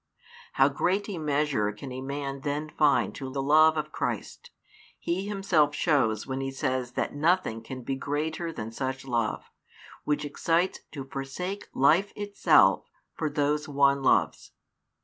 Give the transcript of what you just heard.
How great a measure can a man then find to the love of Christ, He Himself shows when He says that nothing can be greater than such love, which excites to forsake life itself for those one loves.